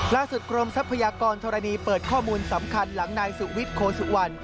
ล่าสุดกรมทรัพยากรธรณีเปิดข้อมูลสำคัญหลังนายสุวิทโคซุวัน